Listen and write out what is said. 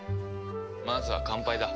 まずは乾杯だ。